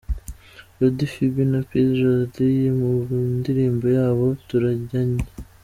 Jody Phibi na Peace Jolis mu ndirimbo yabo 'Turajyanye'.